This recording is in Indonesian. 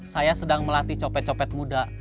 saya sedang melatih copet copet muda